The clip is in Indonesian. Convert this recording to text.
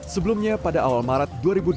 sebelumnya pada awal maret dua ribu dua puluh